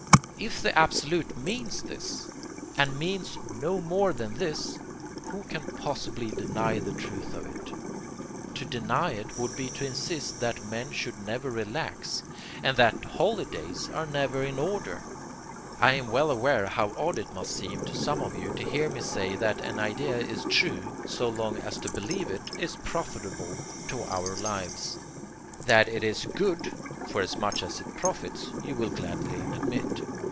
If the Absolute means this, and means no more than this, who can possibly deny the truth of it? To deny it would be to insist that men should never relax, and that holidays are never in order. I am well aware how odd it must seem to some of you to hear me say that an idea is 'true' so long as to believe it is profitable to our lives. That it is GOOD, for as much as it profits, you will gladly admit.